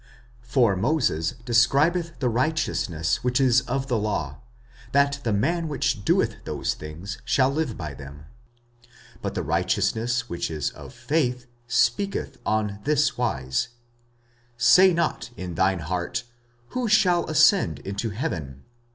45:010:005 For Moses describeth the righteousness which is of the law, That the man which doeth those things shall live by them. 45:010:006 But the righteousness which is of faith speaketh on this wise, Say not in thine heart, Who shall ascend into heaven?